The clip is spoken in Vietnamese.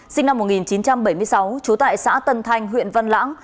sinh năm một nghìn chín trăm bảy mươi sáu trú tại xã tân thanh huyện văn lãng